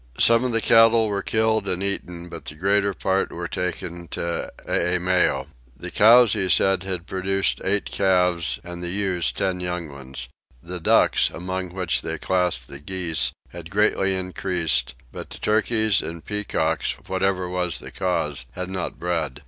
Some of the cattle were killed and eaten but the greater part were taken to Eimeo. The cows he said had produced eight calves and the ewes ten young ones. The ducks, among which they classed the geese, had greatly increased; but the turkeys and peacocks, whatever was the cause, had not bred.